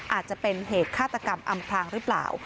อาจจะเป็นเหตุฆาตกรรมอำพลางหรือเปล่า